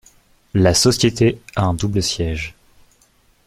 La société a un double siège.